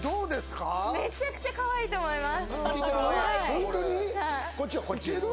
めちゃくちゃかわいいと思います。